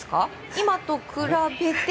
今と比べて。